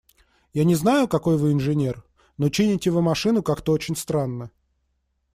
Я не знаю, какой вы инженер, но… чините вы машину как-то очень странно.